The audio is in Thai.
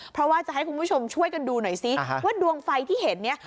เพราะว่าจะให้คุณผู้ชมช่วยกันดูหน่อยซิว่าดวงไฟที่เห็นเนี่ย